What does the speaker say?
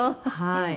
はい。